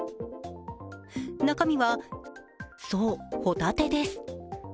中身は、そう、ほたてです。